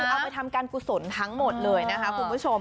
เอาไปทำการกุศลทั้งหมดเลยนะคะคุณผู้ชม